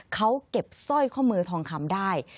เขาเก็บสร้อยข้อมือทองคำได้